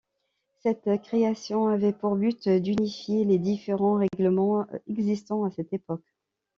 Cette création avait pour but d'unifier les différents règlements existant à cette époque.